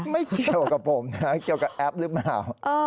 ไม่เกี่ยวกับผมนะเกี่ยวกับแอปหรือเปล่า